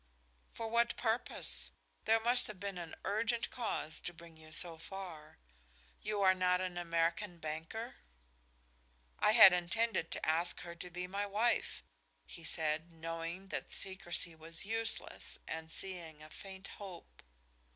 "For what purpose? There must have been an urgent cause to bring you so far. You are not an American banker?" "I had intended to ask her to be my wife," he said, knowing that secrecy was useless and seeing a faint hope.